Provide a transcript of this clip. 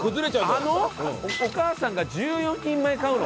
あのお母さんが１４人前買うの？